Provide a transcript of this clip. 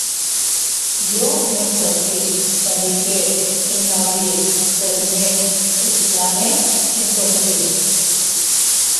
Jo m'enfeltrisc, irrigue, engaldisc, ferme, explane, entortisc